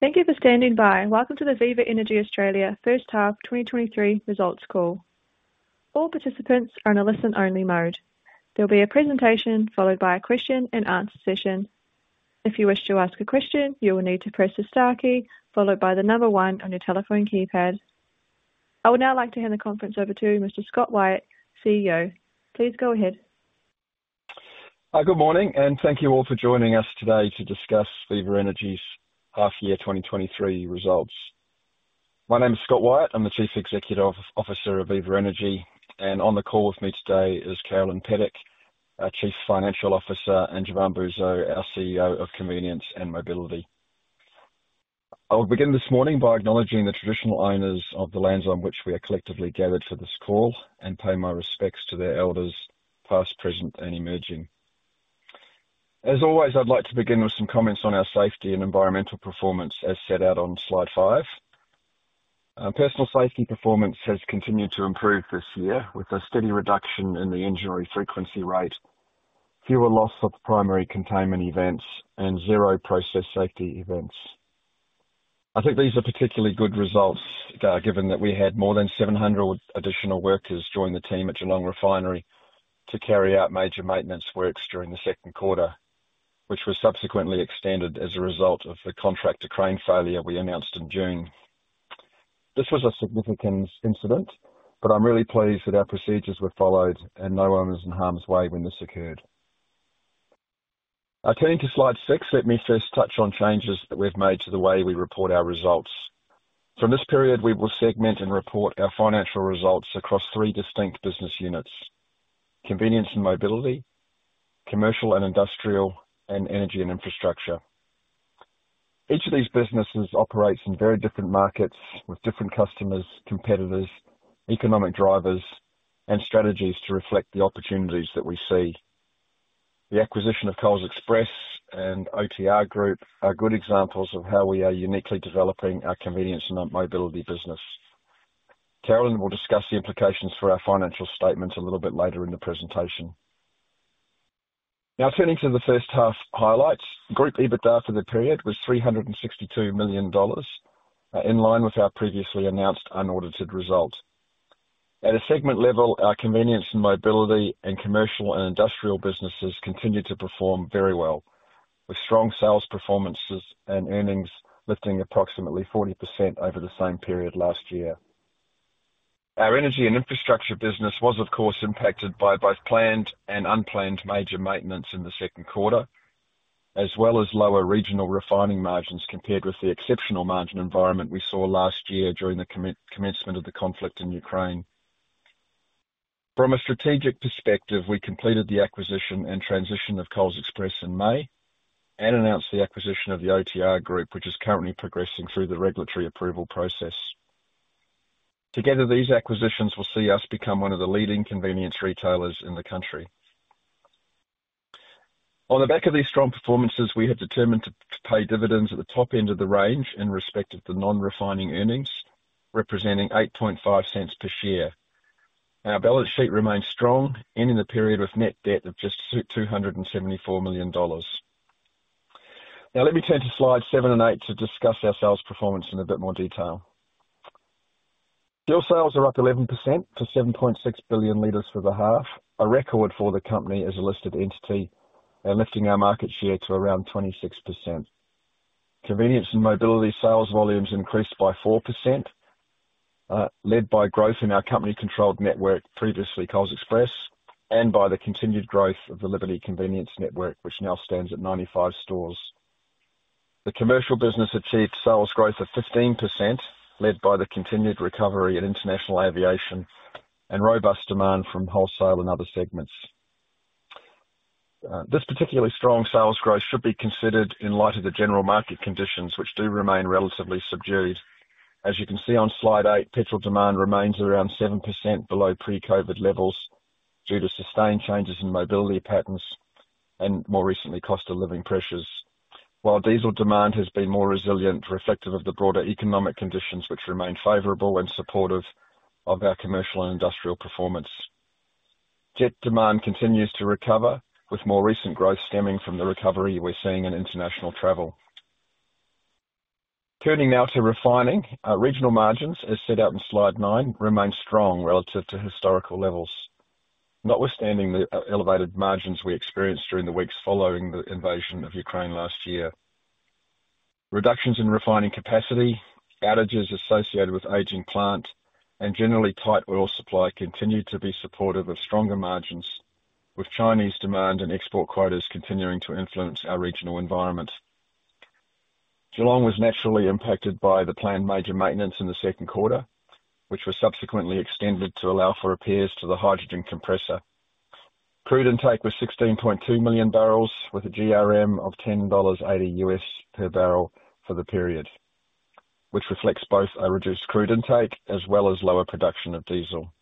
Thank you for standing by. Welcome to the Viva Energy Australia first half 2023 results call. All participants are in a listen-only mode. There will be a presentation followed by a question and answer session. If you wish to ask a question, you will need to press the star key followed by the number one on your telephone keypad. I would now like to hand the conference over to Mr. Scott Wyatt, CEO. Please go ahead. Hi, good morning, and thank you all for joining us today to discuss Viva Energy's half year 2023 results. My name is Scott Wyatt. I'm the Chief Executive Officer of Viva Energy, and on the call with me today is Carolyn Pedic, our Chief Financial Officer, and Jevan Bouzo, our CEO of Convenience and Mobility. I'll begin this morning by acknowledging the traditional owners of the lands on which we are collectively gathered for this call, and pay my respects to their elders, past, present, and emerging. As always, I'd like to begin with some comments on our safety and environmental performance, as set out on slide five. Personal safety performance has continued to improve this year, with a steady reduction in the injury frequency rate, fewer loss of primary containment events, and 0 process safety events. I think these are particularly good results, given that we had more than 700 additional workers join the team at Geelong Refinery to carry out major maintenance works during the second quarter, which was subsequently extended as a result of the contractor crane failure we announced in June. This was a significant incident, I'm really pleased that our procedures were followed and no one was in harm's way when this occurred. Turning to slide six, let me first touch on changes that we've made to the way we report our results. From this period, we will segment and report our financial results across three distinct business units: Convenience and Mobility, Commercial and Industrial, and Energy and Infrastructure. Each of these businesses operates in very different markets with different customers, competitors, economic drivers, and strategies to reflect the opportunities that we see. The acquisition of Coles Express and OTR Group are good examples of how we are uniquely developing our Convenience and Mobility business. Carolyn will discuss the implications for our financial statements a little bit later in the presentation. Turning to the first half highlights. Group EBITDA for the period was $362 million, in line with our previously announced unaudited result. At a segment level, our Convenience and Mobility and Commercial and Industrial businesses continued to perform very well, with strong sales performances and earnings lifting approximately 40% over the same period last year. Our Energy and Infrastructure business was, of course, impacted by both planned and unplanned major maintenance in the second quarter, as well as lower regional refining margins compared with the exceptional margin environment we saw last year during the commencement of the conflict in Ukraine. From a strategic perspective, we completed the acquisition and transition of Coles Express in May and announced the acquisition of the OTR Group, which is currently progressing through the regulatory approval process. Together, these acquisitions will see us become one of the leading convenience retailers in the country. On the back of these strong performances, we have determined to pay dividends at the top end of the range in respect of the non-refining earnings, representing 0.085 per share. Our balance sheet remains strong, ending the period with net debt of just 274 million dollars. Let me turn to slides seven and eight to discuss our sales performance in a bit more detail. Fuel sales are up 11% to 7.6 billion liters for the half, a record for the company as a listed entity and lifting our market share to around 26%. Convenience and Mobility sales volumes increased by 4%, led by growth in our company-controlled network, previously Coles Express, and by the continued growth of the Liberty Convenience network, which now stands at 95 stores. The commercial business achieved sales growth of 15%, led by the continued recovery in international aviation and robust demand from wholesale and other segments. This particularly strong sales growth should be considered in light of the general market conditions, which do remain relatively subdued. As you can see on slide eight, petrol demand remains around 7% below pre-COVID levels due to sustained changes in mobility patterns and more recently, cost of living pressures. While diesel demand has been more resilient, reflective of the broader economic conditions which remain favorable and supportive of our Commercial and Industrial performance. Jet demand continues to recover, with more recent growth stemming from the recovery we're seeing in international travel. Turning now to refining. Our regional margins, as set out in slide nine, remain strong relative to historical levels. Notwithstanding the elevated margins we experienced during the weeks following the invasion of Ukraine last year, reductions in refining capacity, outages associated with aging plant, and generally tight oil supply continued to be supportive of stronger margins, with Chinese demand and export quotas continuing to influence our regional environment. Geelong was naturally impacted by the planned major maintenance in the second quarter, which was subsequently extended to allow for repairs to the hydrogen compressor. Crude intake was 16.2 million barrels, with a GRM of $10.80 U.S. per barrel for the period, which reflects both a reduced crude intake as well as lower production of diesel.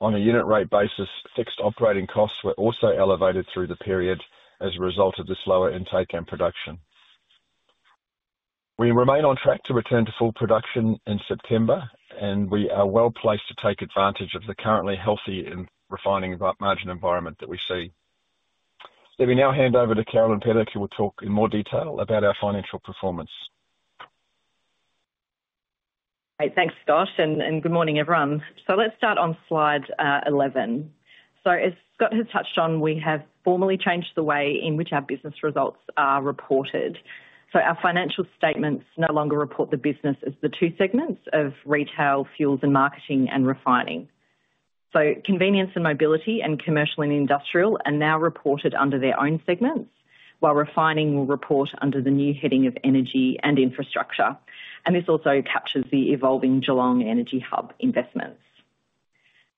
On a unit rate basis, fixed operating costs were also elevated through the period as a result of this lower intake and production. We remain on track to return to full production in September. We are well placed to take advantage of the currently healthy refining margin environment that we see. Let me now hand over to Carolyn Pedic, who will talk in more detail about our financial performance. Hey, thanks, Scott, and good morning, everyone. Let's start on Slide 11. As Scott has touched on, we have formally changed the way in which our business results are reported. Our financial statements no longer report the business as the two segments of retail, fuels and marketing, and refining. Convenience and Mobility and Commercial and Industrial are now reported under their own segments, while refining will report under the new heading of Energy and Infrastructure. This also captures the evolving Geelong Energy Hub investments.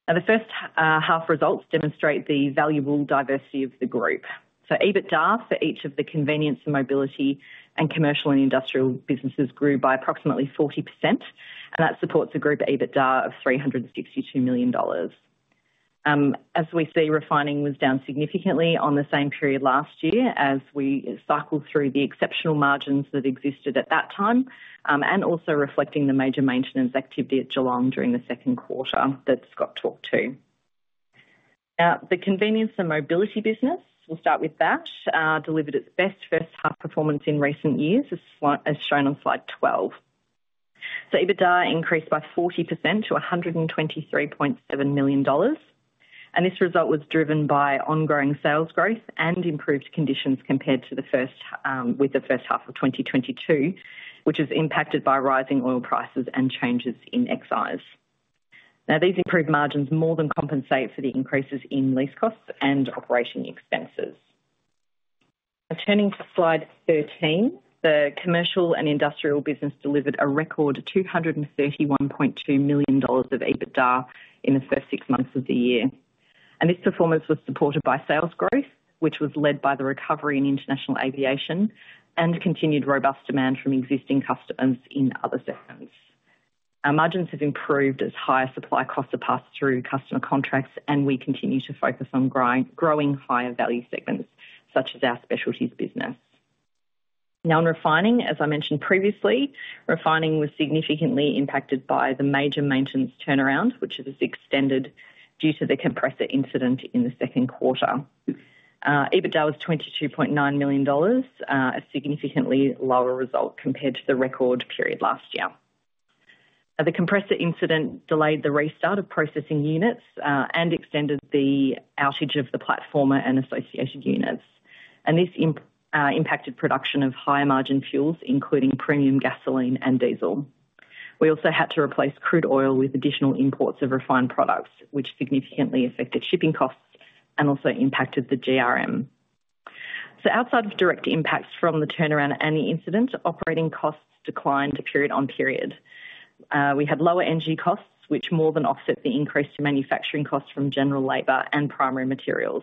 Now, the first half results demonstrate the valuable diversity of the group. EBITDA for each of the Convenience and Mobility and Commercial and Industrial businesses grew by approximately 40%, and that supports a group EBITDA of 362 million dollars. As we see, refining was down significantly on the same period last year as we cycled through the exceptional margins that existed at that time, and also reflecting the major maintenance activity at Geelong during the 2nd quarter that Scott talked to. The Convenience and Mobility business, we'll start with that, delivered its best first half performance in recent years, as shown on Slide 12. EBITDA increased by 40% to 123.7 million dollars, and this result was driven by ongoing sales growth and improved conditions compared to the first, with the first half of 2022, which is impacted by rising oil prices and changes in excise. These improved margins more than compensate for the increases in lease costs and operating expenses. Turning to Slide 13, the Commercial and Industrial business delivered a record 231.2 million dollars of EBITDA in the first six months of the year. This performance was supported by sales growth, which was led by the recovery in international aviation and continued robust demand from existing customers in other segments. Our margins have improved as higher supply costs are passed through customer contracts, and we continue to focus on growing higher value segments such as our specialties business. Now, in refining, as I mentioned previously, refining was significantly impacted by the major maintenance turnaround, which was extended due to the compressor incident in the second quarter. EBITDA was 22.9 million dollars, a significantly lower result compared to the record period last year. Now, the compressor incident delayed the restart of processing units, and extended the outage of the platformer and associated units. This impacted production of higher margin fuels, including premium gasoline and diesel. We also had to replace crude oil with additional imports of refined products, which significantly affected shipping costs and also impacted the GRM. Outside of direct impacts from the turnaround and the incident, operating costs declined to period on period. We had lower energy costs, which more than offset the increase to manufacturing costs from general labor and primary materials.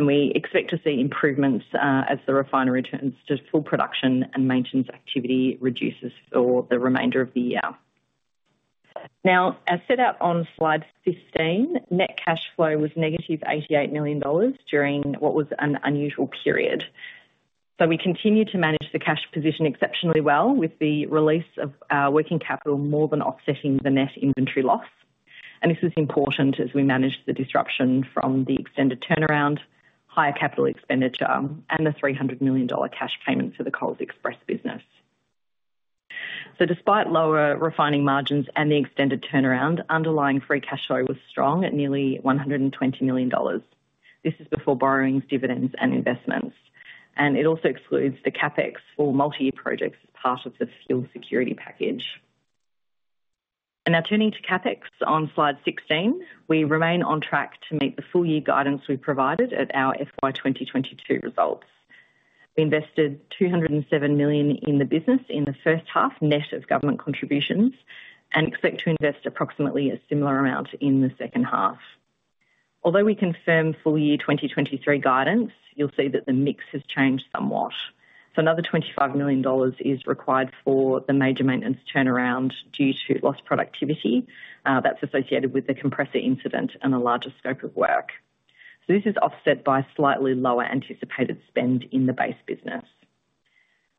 We expect to see improvements, as the refinery returns to full production and maintenance activity reduces for the remainder of the year. As set out on Slide 15, net cash flow was negative 88 million dollars during what was an unusual period. We continued to manage the cash position exceptionally well, with the release of our working capital more than offsetting the net inventory loss. This is important as we manage the disruption from the extended turnaround, higher capital expenditure, and the 300 million dollar cash payment to the Coles Express business. Despite lower refining margins and the extended turnaround, underlying free cash flow was strong at nearly 120 million dollars. This is before borrowings, dividends, and investments, and it also excludes the CapEx for multi-year projects, as part of the Fuel Security Package. Now turning to CapEx on Slide 16, we remain on track to meet the full year guidance we provided at our FY 2022 results. We invested 207 million in the business in the first half, net of government contributions. We expect to invest approximately a similar amount in the second half. Although we confirm full year 2023 guidance, you'll see that the mix has changed somewhat. Another 25 million dollars is required for the major maintenance turnaround due to lost productivity that's associated with the compressor incident and a larger scope of work. This is offset by slightly lower anticipated spend in the base business.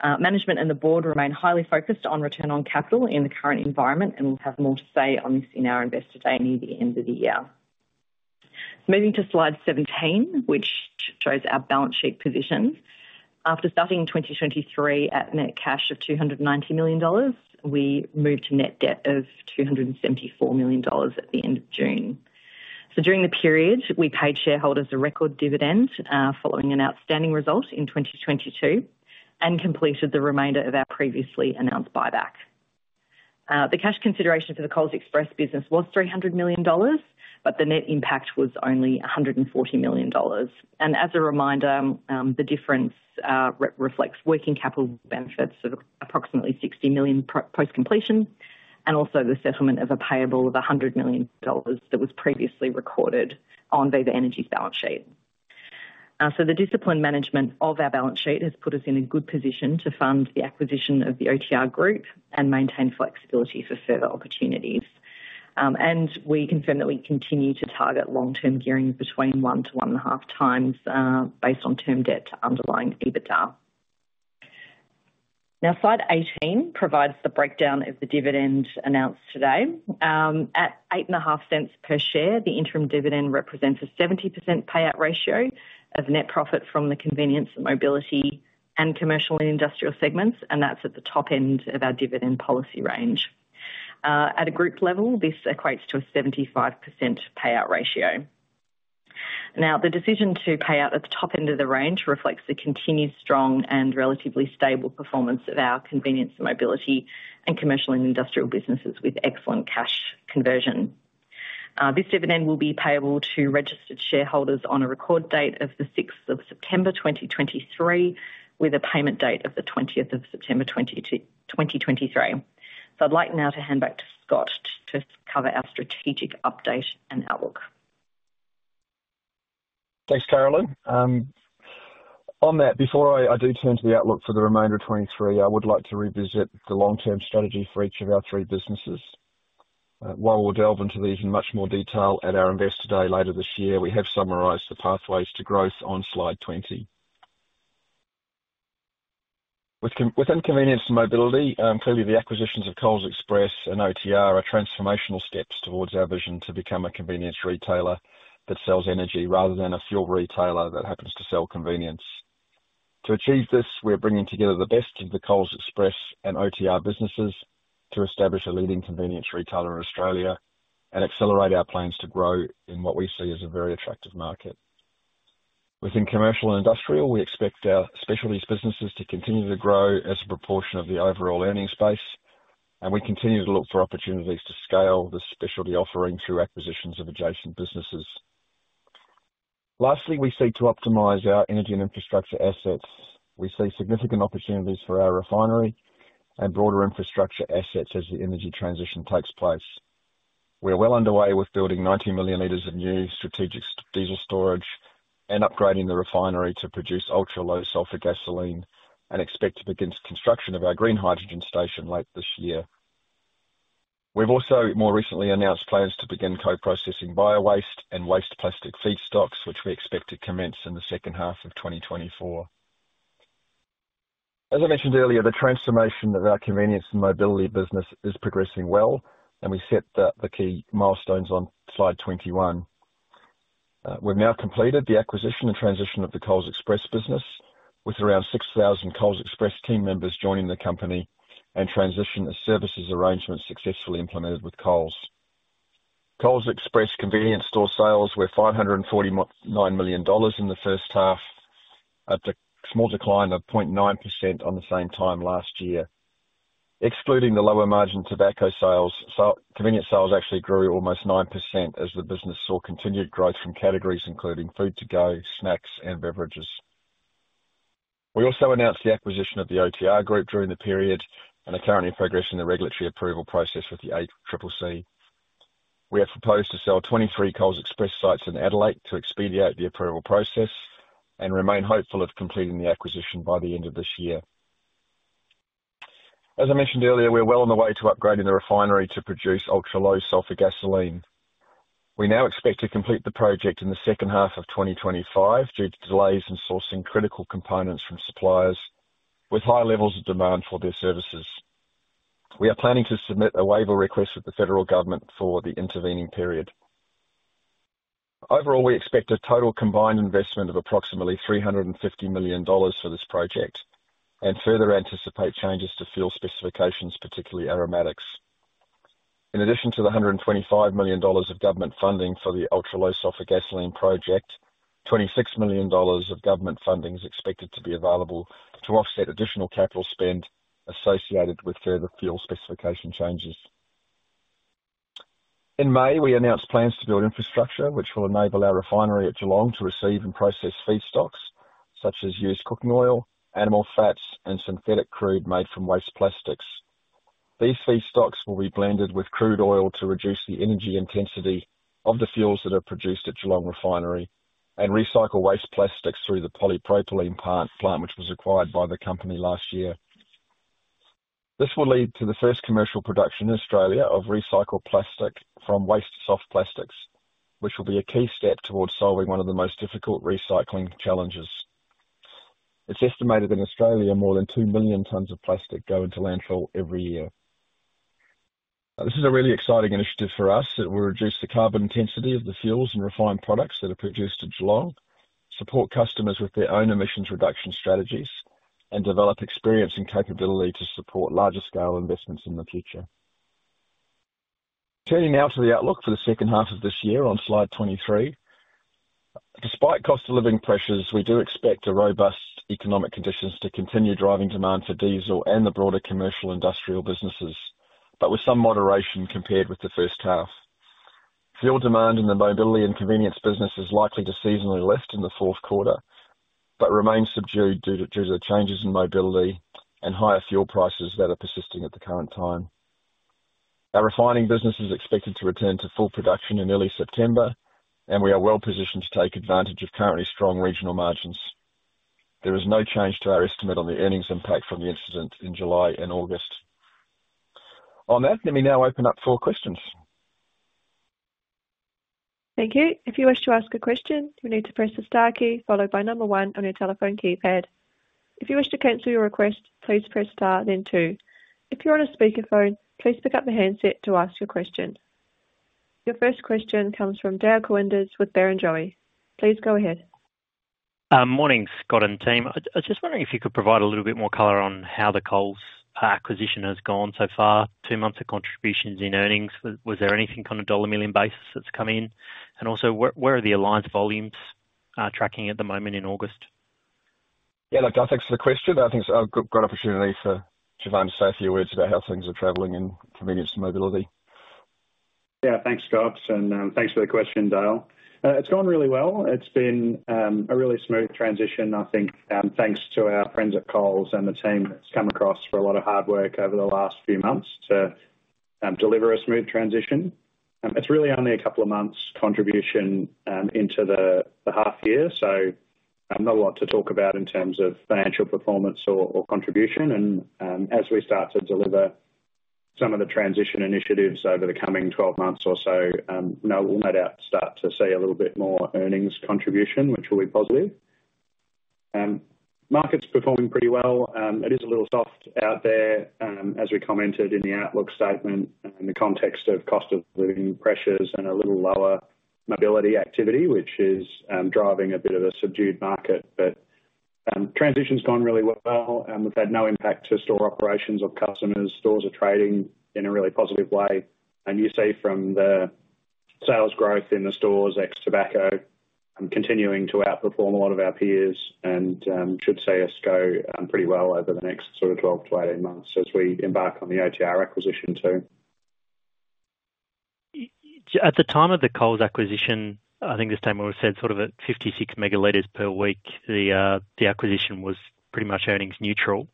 Management and the board remain highly focused on return on capital in the current environment. We'll have more to say on this in our Investor Day near the end of the year. Moving to Slide 17, which shows our balance sheet position. After starting 2023 at net cash of 290 million dollars, we moved to net debt of 274 million dollars at the end of June. During the period, we paid shareholders a record dividend, following an outstanding result in 2022, and completed the remainder of our previously announced buyback. The cash consideration for the Coles Express business was 300 million dollars, but the net impact was only 140 million dollars. As a reminder, the difference reflects working capital benefits of approximately 60 million post completion, and also the settlement of a payable of 100 million dollars that was previously recorded on Viva Energy's balance sheet. The disciplined management of our balance sheet has put us in a good position to fund the acquisition of the OTR Group and maintain flexibility for further opportunities. We confirm that we continue to target long-term gearing between 1 to 1.5 times, based on term debt to underlying EBITDA. Now, Slide 18 provides the breakdown of the dividend announced today. At 0.085 per share, the interim dividend represents a 70% payout ratio of net profit from the Convenience and Mobility, and Commercial and Industrial segments, and that's at the top end of our dividend policy range. At a group level, this equates to a 75% payout ratio. Now, the decision to pay out at the top end of the range reflects the continued strong and relatively stable performance of our Convenience and Mobility, and Commercial and Industrial businesses with excellent cash conversion. This dividend will be payable to registered shareholders on a record date of the 6th of September, 2023, with a payment date of the 20th of September, 2023. I'd like now to hand back to Scott to cover our strategic update and outlook. Thanks, Carolyn. On that, before I, I do turn to the outlook for the remainder of 2023, I would like to revisit the long-term strategy for each of our three businesses. While we'll delve into these in much more detail at our Investor Day later this year, we have summarized the pathways to growth on Slide 20. With within Convenience and Mobility, clearly, the acquisitions of Coles Express and OTR are transformational steps towards our vision to become a convenience retailer that sells energy rather than a fuel retailer that happens to sell convenience. To achieve this, we are bringing together the best of the Coles Express and OTR businesses to establish a leading convenience retailer in Australia and accelerate our plans to grow in what we see as a very attractive market. Within Commercial and Industrial, we expect our specialties businesses to continue to grow as a proportion of the overall earnings base. We continue to look for opportunities to scale this specialty offering through acquisitions of adjacent businesses. Lastly, we seek to optimize our Energy and Infrastructure assets. We see significant opportunities for our refinery and broader infrastructure assets as the energy transition takes place. We are well underway with building 90 million liters of new strategic diesel storage and upgrading the refinery to produce Ultra-Low Sulphur Gasoline. We expect to begin construction of our green hydrogen station late this year. We've also more recently announced plans to begin co-processing biowaste and waste plastic feedstocks, which we expect to commence in the second half of 2024. As I mentioned earlier, the transformation of our Convenience and Mobility business is progressing well, and we set the key milestones on Slide 21. We've now completed the acquisition and transition of the Coles Express business, with around 6,000 Coles Express team members joining the company, and transitional services arrangements successfully implemented with Coles. Coles Express convenience store sales were $549 million in the first half, at a small decline of 0.9% on the same time last year. Excluding the lower margin tobacco sales, convenience sales actually grew almost 9% as the business saw continued growth from categories including food to go, snacks, and beverages. We also announced the acquisition of the OTR Group during the period and are currently progressing the regulatory approval process with the ACCC. We have proposed to sell 23 Coles Express sites in Adelaide to expedite the approval process and remain hopeful of completing the acquisition by the end of this year. As I mentioned earlier, we're well on the way to upgrading the refinery to produce Ultra-Low Sulfur Gasoline. We now expect to complete the project in the second half of 2025 due to delays in sourcing critical components from suppliers, with high levels of demand for their services. We are planning to submit a waiver request with the federal government for the intervening period. Overall, we expect a total combined investment of approximately 350 million dollars for this project and further anticipate changes to fuel specifications, particularly aromatics. In addition to the 125 million dollars of government funding for the Ultra-Low Sulphur Gasoline project, 26 million dollars of government funding is expected to be available to offset additional capital spend associated with further fuel specification changes. In May, we announced plans to build infrastructure, which will enable our refinery at Geelong to receive and process feedstocks, such as used cooking oil, animal fats, and synthetic crude made from waste plastics. These feedstocks will be blended with crude oil to reduce the energy intensity of the fuels that are produced at Geelong Refinery and recycle waste plastics through the polypropylene plant, which was acquired by the company last year. This will lead to the first commercial production in Australia of recycled plastic from waste soft plastics, which will be a key step towards solving one of the most difficult recycling challenges. It's estimated in Australia, more than 2 million tons of plastic go into landfill every year. This is a really exciting initiative for us, that will reduce the carbon intensity of the fuels and refined products that are produced at Geelong, support customers with their own emissions reduction strategies, and develop experience and capability to support larger scale investments in the future. Turning now to the outlook for the second half of this year on Slide 23. Despite cost of living pressures, we do expect the robust economic conditions to continue driving demand for diesel and the broader commercial industrial businesses, but with some moderation compared with the first half. Fuel demand in the mobility and convenience business is likely to seasonally lift in the fourth quarter, but remains subdued due to the changes in mobility and higher fuel prices that are persisting at the current time. Our refining business is expected to return to full production in early September, and we are well positioned to take advantage of currently strong regional margins. There is no change to our estimate on the earnings impact from the incident in July and August. On that, let me now open up for questions. ... Thank you. If you wish to ask a question, you need to press the star key followed by one on your telephone keypad. If you wish to cancel your request, please press star then 2. If you're on a speakerphone, please pick up the handset to ask your question. Your first question comes from Dale Koenders with Barrenjoey. Please go ahead. Morning, Scott and team. I was just wondering if you could provide a little bit more color on how the Coles acquisition has gone so far. Two months of contributions in earnings. Was there anything on an dollar 1 million basis that's come in? Also, where are the alliance volumes tracking at the moment in August? Yeah, look, thanks for the question. I think it's a great opportunity for Jevan to say a few words about how things are traveling in Convenience and Mobility. Yeah, thanks, Scott, and thanks for the question, Dale. It's gone really well. It's been a really smooth transition, I think, thanks to our friends at Coles and the team that's come across for a lot of hard work over the last few months to deliver a smooth transition. It's really only a 2 months' contribution into the half year, so not a lot to talk about in terms of financial performance or contribution. As we start to deliver some of the transition initiatives over the coming 12 months or so, now we'll no doubt start to see a little bit more earnings contribution, which will be positive. Market's performing pretty well. It is a little soft out there, as we commented in the outlook statement and in the context of cost of living pressures and a little lower mobility activity, which is driving a bit of a subdued market. Transition's gone really well, and we've had no impact to store operations or customers. Stores are trading in a really positive way, and you see from the sales growth in the stores, ex tobacco, continuing to outperform a lot of our peers and should see us go pretty well over the next 12 to 18 months as we embark on the OTR acquisition too. At the time of the Coles acquisition, I think this time we've said sort of at 56 megaliters per week, the acquisition was pretty much earnings neutral.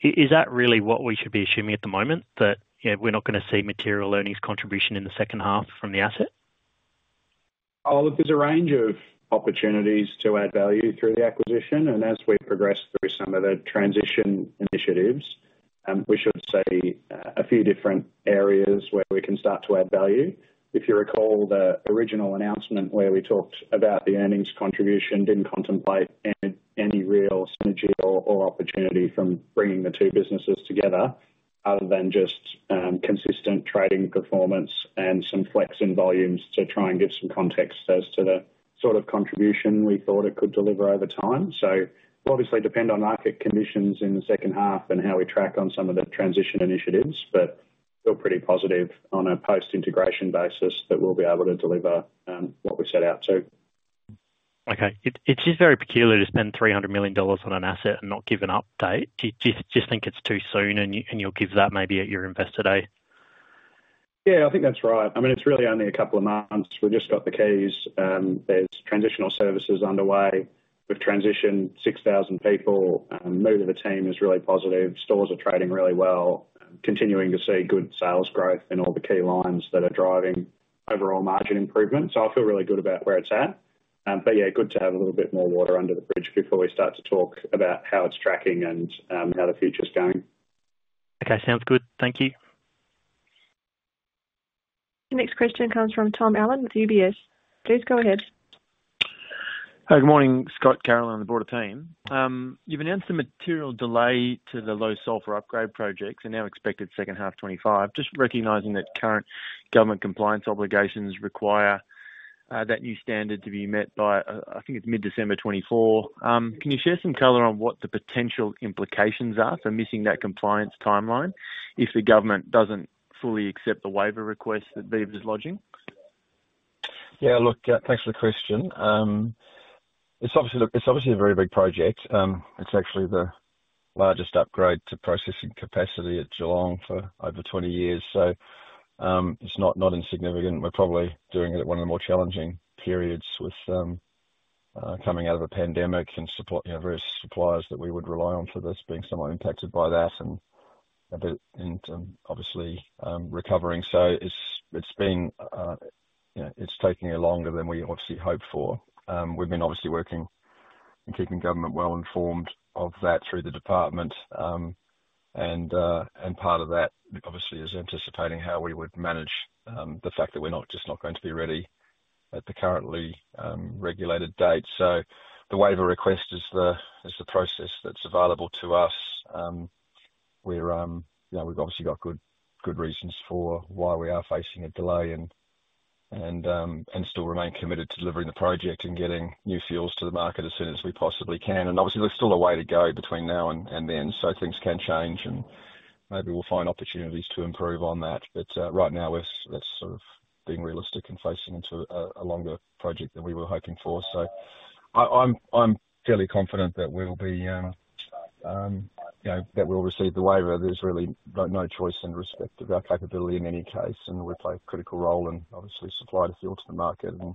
Is that really what we should be assuming at the moment? That, you know, we're not gonna see material earnings contribution in the second half from the asset? Oh, look, there's a range of opportunities to add value through the acquisition. As we progress through some of the transition initiatives, we should see a few different areas where we can start to add value. If you recall the original announcement where we talked about the earnings contribution, didn't contemplate any, any real synergy or, or opportunity from bringing the two businesses together, other than just consistent trading performance and some flex in volumes to try and give some context as to the sort of contribution we thought it could deliver over time. Obviously depend on market conditions in the second half and how we track on some of the transition initiatives, but feel pretty positive on a post-integration basis that we'll be able to deliver what we set out to. Okay. It is very peculiar to spend 300 million dollars on an asset and not give an update. Do you just think it's too soon, and you'll give that maybe at your Investor Day? Yeah, I think that's right. I mean, it's really only a couple of months. We just got the keys. There's transitional services underway. We've transitioned 6,000 people, and the mood of the team is really positive. Stores are trading really well, continuing to see good sales growth in all the key lines that are driving overall margin improvement. I feel really good about where it's at. Yeah, good to have a little bit more water under the bridge before we start to talk about how it's tracking and how the future's going. Okay, sounds good. Thank you. The next question comes from Tom Allen with UBS. Please go ahead. Hi, good morning, Scott, Carolyn, and the board team. You've announced a material delay to the low sulfur upgrade projects and now expected second half 2025. Just recognizing that current government compliance obligations require that new standard to be met by, I think it's mid-December 2024. Can you share some color on what the potential implications are for missing that compliance timeline if the government doesn't fully accept the waiver request that Viva is lodging? Yeah, look, thanks for the question. It's obviously... Look, it's obviously a very big project. It's actually the largest upgrade to processing capacity at Geelong for over 20 years, so it's not, not insignificant. We're probably doing it at one of the more challenging periods with coming out of a pandemic and support, you know, various suppliers that we would rely on for this, being somewhat impacted by that and a bit, and obviously, recovering. It's, it's been, you know, it's taking it longer than we obviously hoped for. We've been obviously working and keeping government well informed of that through the department. Part of that obviously is anticipating how we would manage the fact that we're not, just not going to be ready at the currently, regulated date. The waiver request is the, is the process that's available to us. We're, you know, we've obviously got good, good reasons for why we are facing a delay and still remain committed to delivering the project and getting new fuels to the market as soon as we possibly can. Obviously there's still a way to go between now and then, so things can change, and maybe we'll find opportunities to improve on that. But right now, we're sort of being realistic and facing into a longer project than we were hoping for. I'm fairly confident that we will be, you know, that we'll receive the waiver. There's really no, no choice in respect of our capability in any case. We play a critical role in obviously supplying the fuel to the market and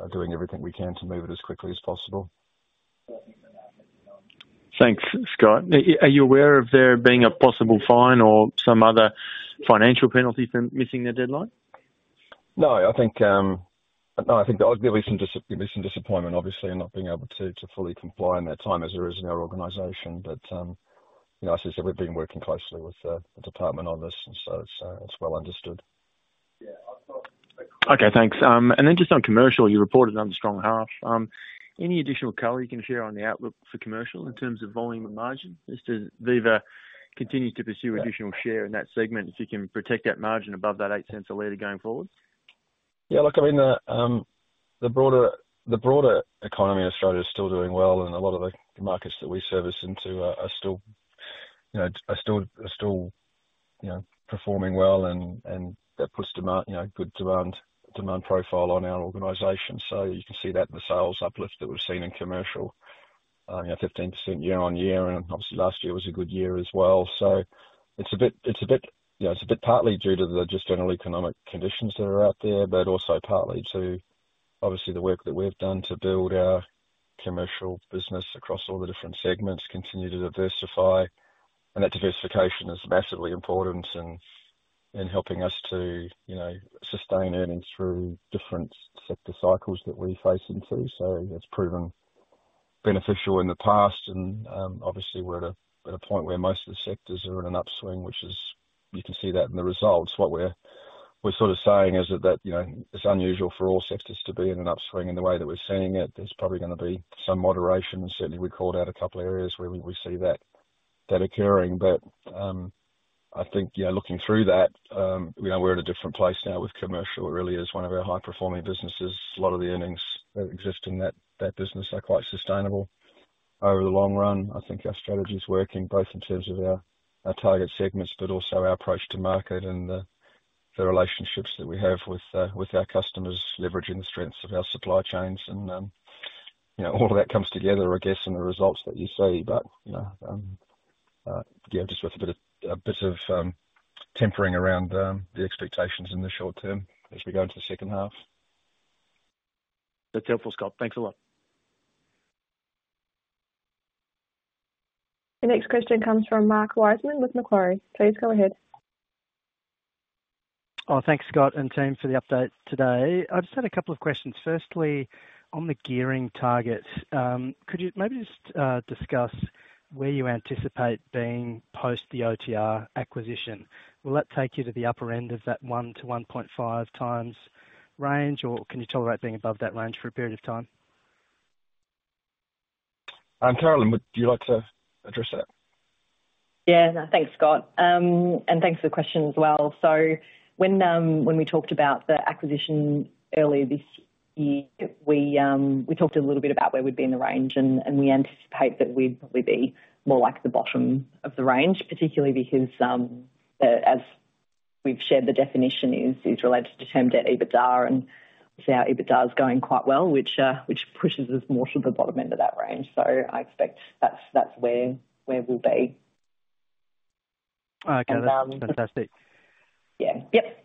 are doing everything we can to move it as quickly as possible. Thanks, Scott. Are you aware of there being a possible fine or some other financial penalty for missing the deadline? No, I think, no, I think there'll be some disappointment, obviously, in not being able to, to fully comply in that time as there is in our organization. You know, I say so we've been working closely with the department on this, and so it's well understood. Okay, thanks. Then just on Commercial, you reported on the strong half. Any additional color you can share on the outlook for Commercial in terms of volume and margin, as to Viva continue to pursue additional share in that segment, if you can protect that margin above that 0.08 a liter going forward? Yeah, look, I mean, the broader economy in Australia is still doing well. A lot of the markets that we service into are still, you know, performing well, and that puts demand, you know, good demand, demand profile on our organization. You can see that in the sales uplift that we've seen in commercial, you know, 15% year on year. Obviously last year was a good year as well. It's partly due to the just general economic conditions that are out there, but also partly to, obviously, the work that we've done to build our commercial business across all the different segments, continue to diversify. That diversification is massively important in, in helping us to, you know, sustain earnings through different sector cycles that we face into. That's proven beneficial in the past and, obviously we're at a, at a point where most of the sectors are in an upswing, which is, you can see that in the results. What we're, we're sort of saying is that, you know, it's unusual for all sectors to be in an upswing in the way that we're seeing it. There's probably gonna be some moderation. Certainly we called out a couple of areas where we, we see that, that occurring. I think, yeah, looking through that, you know, we're at a different place now with Commercial. It really is one of our high performing businesses. A lot of the earnings that exist in that, that business are quite sustainable over the long run. I think our strategy is working, both in terms of our, our target segments, but also our approach to market and, the relationships that we have with, with our customers, leveraging the strengths of our supply chains. You know, all of that comes together, I guess, in the results that you see. You know, yeah, just with a bit of, a bit of, tempering around, the expectations in the short term as we go into the second half. That's helpful, Scott. Thanks a lot. The next question comes from Mark Wiseman with Macquarie. Please go ahead. Oh, thanks, Scott and team, for the update today. I just had a couple of questions. Firstly, on the gearing target, could you maybe just discuss where you anticipate being post the OTR acquisition? Will that take you to the upper end of that 1-1.5x range, or can you tolerate being above that range for a period of time? Carolyn, would you like to address that? Yeah. No, thanks, Scott, and thanks for the question as well. When we talked about the acquisition earlier this year, we talked a little bit about where we'd be in the range, and we anticipate that we'd probably be more like the bottom of the range, particularly because, as we've shared, the definition is related to term debt EBITDA, and obviously our EBITDA is going quite well, which pushes us more to the bottom end of that range. I expect that's where we'll be. Okay, that's fantastic. Yeah. Yep.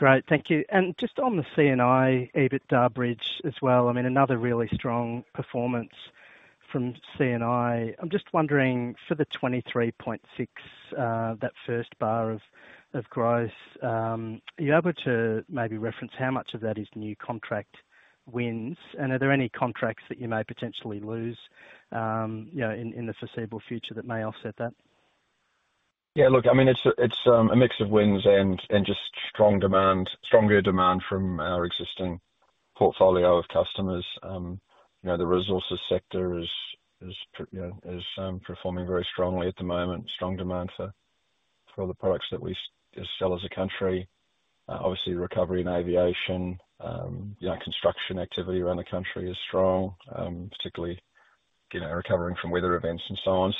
Great, thank you. Just on the C&I EBITDA bridge as well, I mean, another really strong performance from C&I. I'm just wondering, for the 23.6, that first bar of, of growth, are you able to maybe reference how much of that is new contract wins? Are there any contracts that you may potentially lose, you know, in, in the foreseeable future that may offset that? Yeah, look, I mean, it's a, it's a mix of wins and just strong demand, stronger demand from our existing portfolio of customers. You know, the resources sector is, you know, performing very strongly at the moment. Strong demand for the products that we sell as a country. Obviously recovery in aviation, you know, construction activity around the country is strong, particularly, you know, recovering from weather events and so on.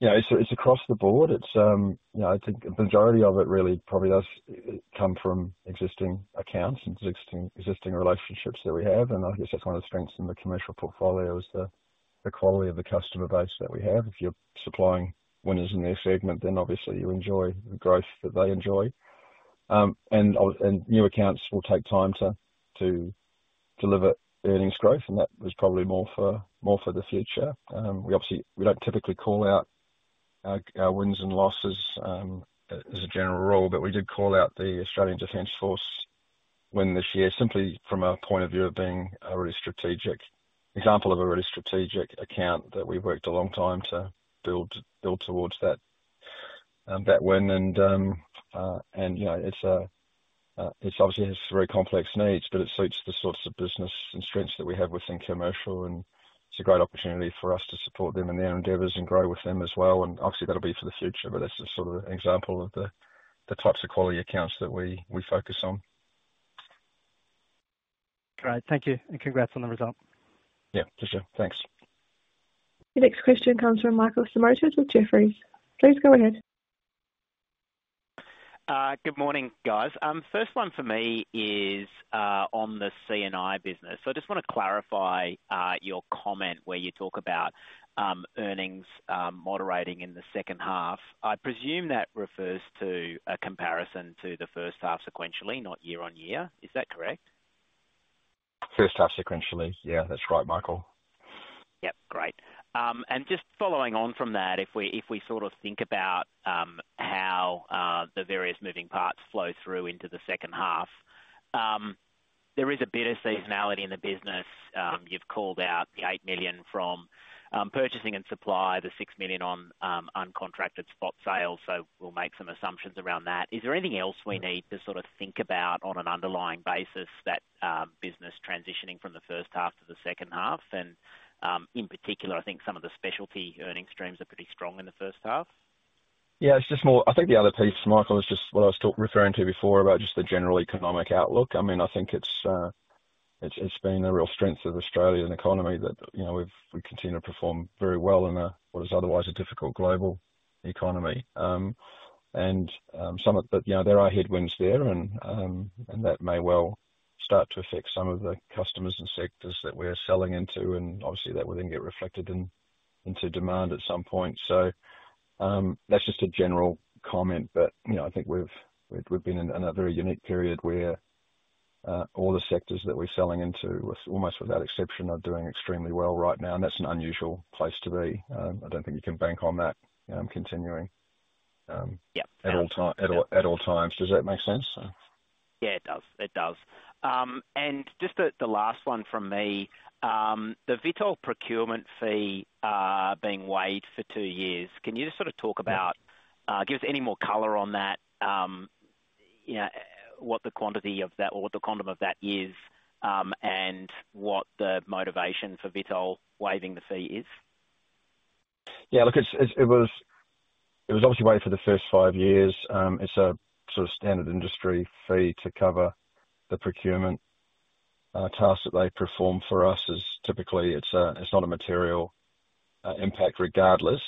You know, it's, it's across the board. It's, you know, I think a majority of it really probably does come from existing accounts and existing, existing relationships that we have. I guess that's one of the strengths in the commercial portfolio is the quality of the customer base that we have. If you're supplying winners in their segment, then obviously you enjoy the growth that they enjoy. New accounts will take time to deliver earnings growth, and that is probably more for, more for the future. We obviously, we don't typically call out our, our wins and losses, as, as a general rule, but we did call out the Australian Defence Force win this year, simply from a point of view of being a really strategic... example of a really strategic account that we've worked a long time to build, build towards that, that win. You know, it's, it obviously has very complex needs, but it suits the sorts of business and strengths that we have within Commercial, and it's a great opportunity for us to support them in their endeavors and grow with them as well. Obviously that'll be for the future, but that's the sort of example of the, the types of quality accounts that we, we focus on. Great. Thank you. Congrats on the result. Yeah, pleasure. Thanks. The next question comes from Michael Simotas with Jefferies. Please go ahead. Good morning, guys. First one for me is on the C&I business. I just wanna clarify your comment where you talk about earnings moderating in the second half. I presume that refers to a comparison to the first half sequentially, not year-on-year. Is that correct? First half sequentially. Yeah, that's right, Michael. Yep, great. Just following on from that, if we, if we sort of think about the various moving parts flow through into the second half. There is a bit of seasonality in the business. You've called out the 8 million from purchasing and supply, the 6 million on uncontracted spot sales, so we'll make some assumptions around that. Is there anything else we need to sort of think about on an underlying basis, that business transitioning from the first half to the second half? In particular, I think some of the specialty earning streams are pretty strong in the first half. Yeah, it's just more I think the other piece, Michael, is just what I was referring to before about just the general economic outlook. I mean, I think it's, it's been a real strength of Australian economy that, you know, we've, we continue to perform very well in a, what is otherwise a difficult global economy. Some of the... You know, there are headwinds there, and that may well start to affect some of the customers and sectors that we're selling into, and obviously that will then get reflected in, into demand at some point. That's just a general comment, but, you know, I think we've, we've, we've been in a very unique period where all the sectors that we're selling into, with almost without exception, are doing extremely well right now, and that's an unusual place to be. I don't think you can bank on that, continuing- Yeah. at all time, at all, at all times. Does that make sense? Yeah, it does. It does. Just the last one from me, the Vitol procurement fee being waived for two years, can you just sort of talk about, give us any more color on that? You know, what the quantity of that or what the quantum of that is, and what the motivation for Vitol waiving the fee is? Look, it was obviously waived for the first five years. It's a sort of standard industry fee to cover the procurement tasks that they perform for us. Typically, it's not a material impact regardless.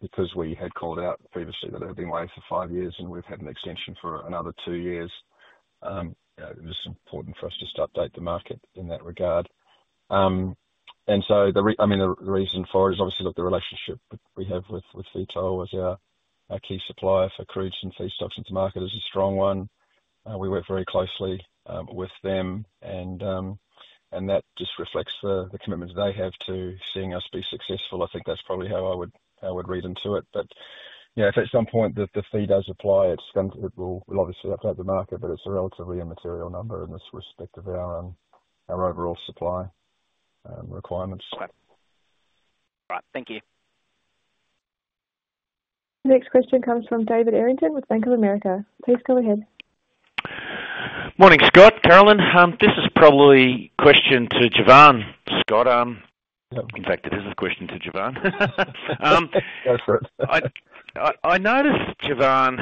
Because we had called out previously that it had been waived for five years and we've had an extension for another two years, you know, it was important for us just to update the market in that regard. I mean, the reason for it is obviously, look, the relationship we have with Vitol as our key supplier for crudes and feedstocks into market is a strong one. We work very closely with them, and that just reflects the commitment they have to seeing us be successful. I think that's probably how I would, how I would read into it. You know, if at some point the fee does apply, it will obviously update the market, but it's a relatively immaterial number in this respect of our overall supply requirements. Right. Thank you. Next question comes from David Errington with Bank of America. Please go ahead. Morning, Scott, Carolyn. This is probably a question to Jevan, Scott. In fact, it is a question to Jevan. Go for it. I noticed, Jevan,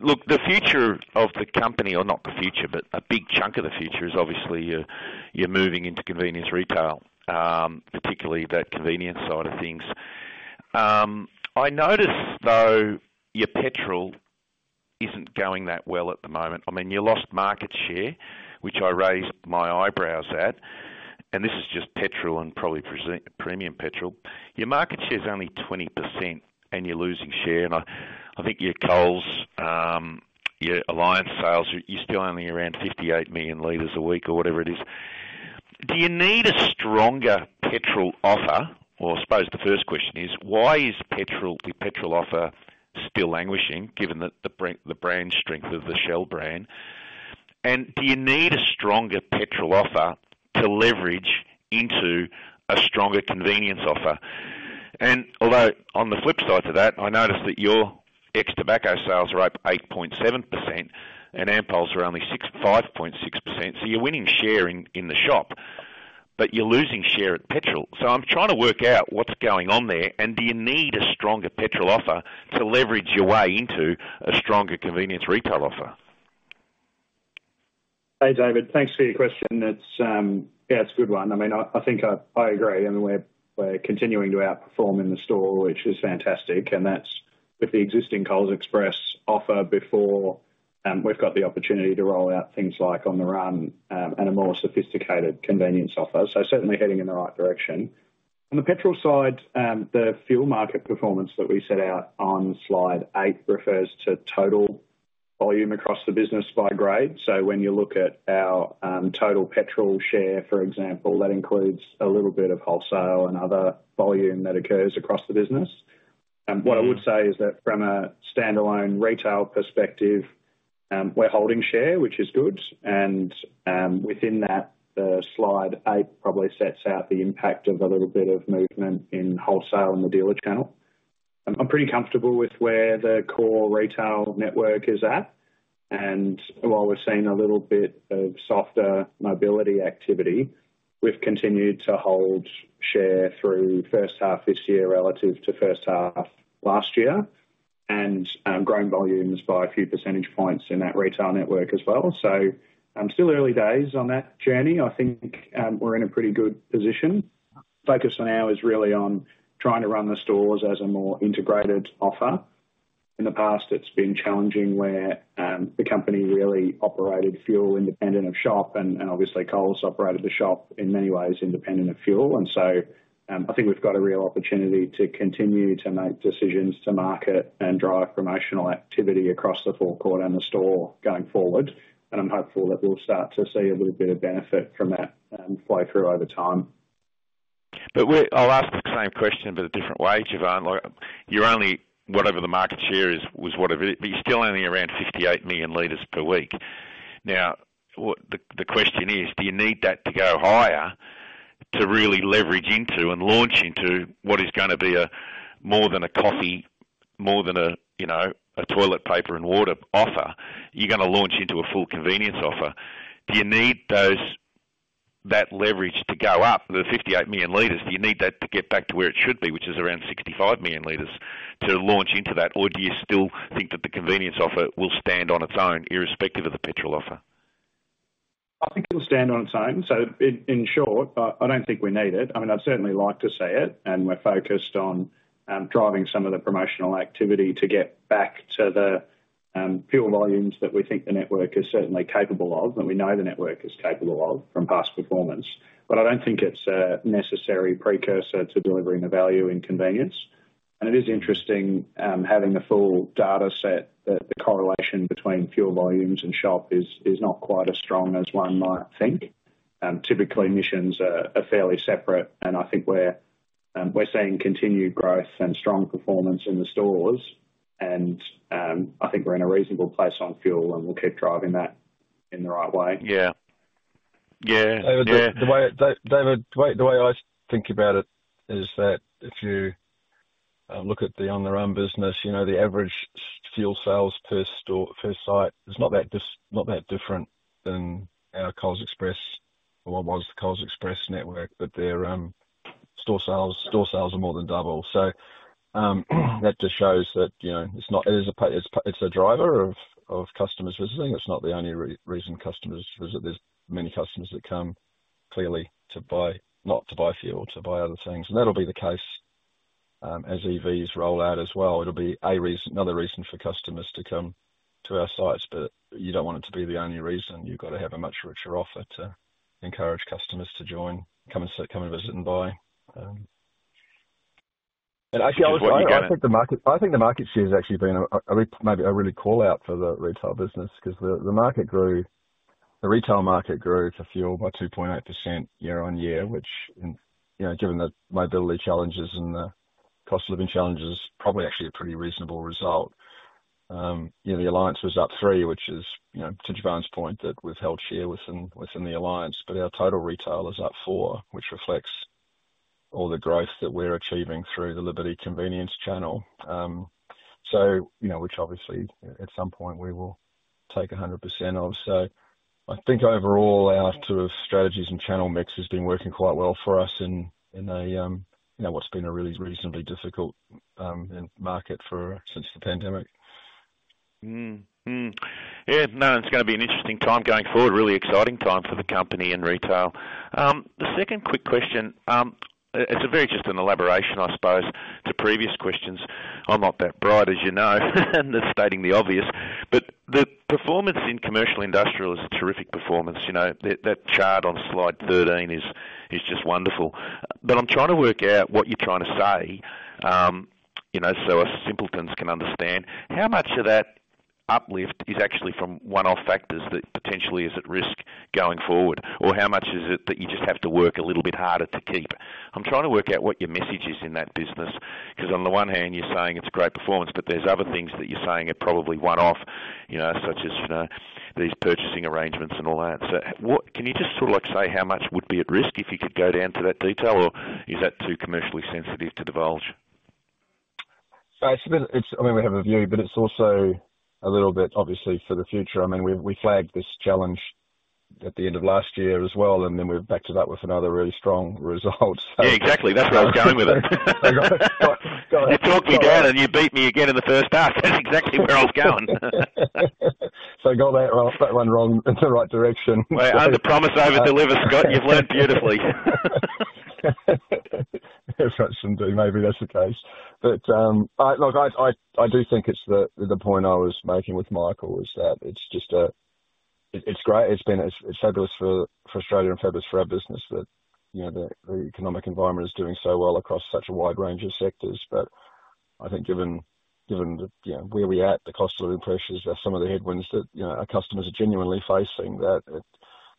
look, the future of the company, or not the future, but a big chunk of the future is obviously you're, you're moving into convenience retail, particularly that convenience side of things. I noticed though, your petrol isn't going that well at the moment. I mean, you lost market share, which I raised my eyebrows at, and this is just petrol and probably premium petrol. Your market share is only 20% and you're losing share, and I, I think your Coles, your Alliance sales, you're still only around 58 million liters a week or whatever it is. Do you need a stronger petrol offer? Or I suppose the first question is, why is petrol, the petrol offer still languishing, given the brand strength of the Shell brand? Do you need a stronger petrol offer to leverage into a stronger convenience offer? Although on the flip side to that, I noticed that your ex tobacco sales are up 8.7% and Ampol's are only 5.6%. You're winning share in, in the shop, but you're losing share at petrol. I'm trying to work out what's going on there, and do you need a stronger petrol offer to leverage your way into a stronger convenience retail offer? Hey, David, thanks for your question. That's, yeah, it's a good one. I mean, I, I think I, I agree. We're continuing to outperform in the store, which is fantastic, and that's with the existing Coles Express offer before we've got the opportunity to roll out things like On The Run and a more sophisticated convenience offer. Certainly heading in the right direction. On the petrol side, the fuel market performance that we set out on slide eight refers to total volume across the business by grade. When you look at our total petrol share, for example, that includes a little bit of wholesale and other volume that occurs across the business. What I would say is that from a standalone retail perspective, we're holding share, which is good, and within that, the slide eight probably sets out the impact of a little bit of movement in wholesale in the dealer channel. I'm pretty comfortable with where the core retail network is at, and while we're seeing a little bit of softer mobility activity, we've continued to hold share through first half this year relative to first half last year, and grown volumes by a few percentage points in that retail network as well. Still early days on that journey. I think, we're in a pretty good position. Focus now is really on trying to run the stores as a more integrated offer. In the past, it's been challenging where the company really operated fuel independent of shop, and, and obviously Coles operated the shop in many ways independent of fuel. I think we've got a real opportunity to continue to make decisions to market and drive promotional activity across the forecourt and the store going forward. I'm hopeful that we'll start to see a little bit of benefit from that, flow through over time.... I'll ask the same question, but a different way, Jevan. Like, you're only, whatever the market share is, was whatever it is, but you're still only around 58 million liters per week. The question is, do you need that to go higher to really leverage into and launch into what is gonna be a more than a coffee, more than a, you know, a toilet paper and water offer? You're gonna launch into a full convenience offer. Do you need those, that leverage to go up, the 58 million liters, do you need that to get back to where it should be, which is around 65 million liters, to launch into that? Or do you still think that the convenience offer will stand on its own, irrespective of the petrol offer? I think it'll stand on its own. In short, I don't think we need it. I mean, I'd certainly like to see it, and we're focused on driving some of the promotional activity to get back to the fuel volumes that we think the network is certainly capable of, and we know the network is capable of from past performance. I don't think it's a necessary precursor to delivering the value and convenience. It is interesting, having the full data set, that the correlation between fuel volumes and shop is not quite as strong as one might think. Typically, missions are, are fairly separate, and I think we're seeing continued growth and strong performance in the stores, and I think we're in a reasonable place on fuel, and we'll keep driving that in the right way. Yeah. Yeah, yeah. David, the way, the way I think about it is that if you look at the On The Run business, you know, the average fuel sales per store, per site, is not that different than our Coles Express, or what was the Coles Express network, but their store sales, store sales are more than double. That just shows that, you know, it's not. It is a driver of customers visiting. It's not the only reason customers visit. There's many customers that come, clearly, to buy, not to buy fuel, to buy other things. That'll be the case, as EVs roll out as well. It'll be a reason, another reason for customers to come to our sites, but you don't want it to be the only reason. You've got to have a much richer offer to encourage customers to join, come and come and visit and buy. actually, I. I think the market, I think the market share has actually been a, a, maybe a really call out for the retail business, 'cause the, the market grew, the retail market grew for fuel by 2.8% year-on-year, which, and, you know, given the mobility challenges and the cost of living challenges, probably actually a pretty reasonable result. You know, the alliance was up three, which is, you know, to Jevan's point, that we've held share within, within the alliance, but our total retail is up four, which reflects all the growth that we're achieving through the Liberty Convenience channel. You know, which obviously at some point we will take 100% of. I think overall, our sort of strategies and channel mix has been working quite well for us in, in a, you know, what's been a really reasonably difficult, market for... since the pandemic. Yeah, no, it's gonna be an interesting time going forward, a really exciting time for the company and retail. The second quick question, it's a very, just an elaboration, I suppose, to previous questions. I'm not that bright, as you know, and just stating the obvious, but the performance in Commercial and Industrial is a terrific performance. You know, that, that chart on Slide 13 is, is just wonderful. But I'm trying to work out what you're trying to say, you know, so us simpletons can understand. How much of that uplift is actually from one-off factors that potentially is at risk going forward? How much is it that you just have to work a little bit harder to keep? I'm trying to work out what your message is in that business, 'cause on the one hand, you're saying it's great performance, but there's other things that you're saying are probably one-off, you know, such as, you know, these purchasing arrangements and all that. What. Can you just sort of, like, say how much would be at risk if you could go down to that detail, or is that too commercially sensitive to divulge? It's a bit, I mean, we have a view, but it's also a little bit, obviously, for the future. I mean, we flagged this challenge at the end of last year as well, we're back to that with another really strong result. Yeah, exactly. That's where I was going with it. Got it. You talked me down, and you beat me again in the first half. That's exactly where I was going. Got that one, that one wrong in the right direction. Under promise, over deliver, Scott, you've learned beautifully. Perhaps indeed, maybe that's the case. I, look, I do think it's the, the point I was making with Michael is that it's great, it's been, it's, it's fabulous for, for Australia and fabulous for our business that, you know, the, the economic environment is doing so well across such a wide range of sectors. I think given, given that, you know, where we at, the cost of living pressures are some of the headwinds that, you know, our customers are genuinely facing, that,